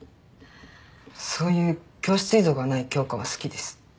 そういう教室移動がない教科は好きです。